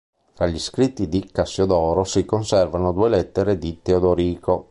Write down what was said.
Tra gli scritti di Cassiodoro si conservano due lettere di Teodorico.